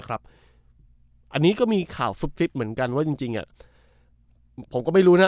อันนี้ก็มีข่าวซุบซิบเหมือนกันว่าจริงผมก็ไม่รู้นะ